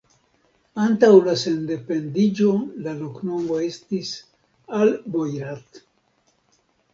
Antaŭ la sendependiĝo la loknomo estis Al-Boirat.